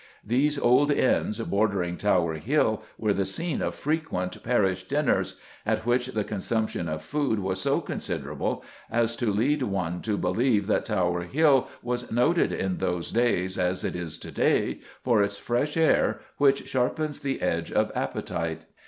These old inns bordering Tower Hill were the scene of frequent "Parish dinners," at which the consumption of food was so considerable as to lead one to believe that Tower Hill was noted in those days, as it is to day, for its fresh air, which sharpens the edge of appetite.